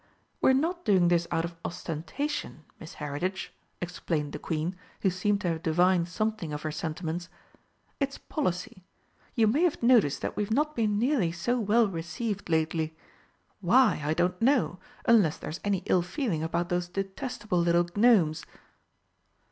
"We're not doing this out of ostentation, Miss Heritage," explained the Queen, who seemed to have divined something of her sentiments. "It's policy. You may have noticed that we've not been nearly so well received lately. Why, I don't know, unless there's any ill feeling about those detestable little Gnomes."